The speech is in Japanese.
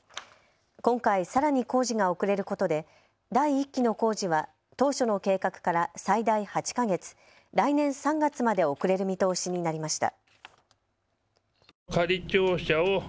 今回さらに工事が遅れることで第１期の工事は当初の計画から最大８か月、来年３月まで遅れる見通しになりました。